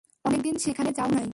অনেকদিন সেখানে যাও নাই।